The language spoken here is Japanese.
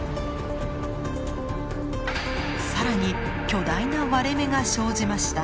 更に巨大な割れ目が生じました。